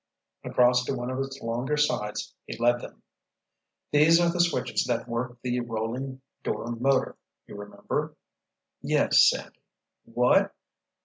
Across to one of its longer sides he led them. "These are the switches that work the rolling door motor, you remember?" "Yes, Sandy. What?